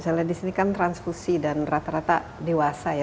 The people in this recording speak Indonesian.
saya lihat disini kan transfusi dan rata rata dewasa ya